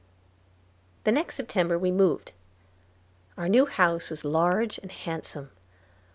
The next September we moved. Our new house was large and handsome.